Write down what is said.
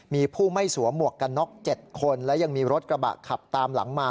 มีผู้ไม่สวมหวกกันน็อก๗คนและยังมีรถกระบะขับตามหลังมา